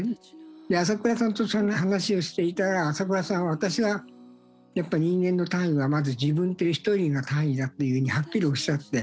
で朝倉さんとそんな話をしていたら朝倉さんは私がやっぱ人間の単位はまず自分っていう一人が単位だっていうようにはっきりおっしゃって。